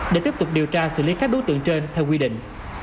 để tiếp tục điều tra xử lý các đối tượng trên theo quy định